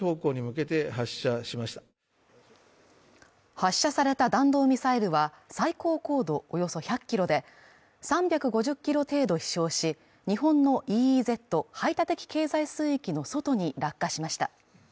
発射された弾道ミサイルは最高高度およそ１００ｋｍで３５０ｋｍ程度飛しょうし、日本のＥＥＺ＝排他的経済水域の外に落下しました。